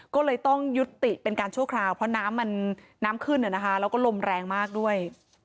ก็เลยต้องยุติเป็นการชั่วคราวเพราะน้ำมันน้ำขึ้นแล้วก็ลมแรงมากด้วย